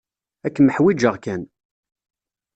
Ad kem-ḥwiǧeɣ kan